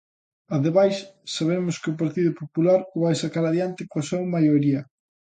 Ademais, sabemos que o Partido Popular o vai sacar adiante coa súa maioría.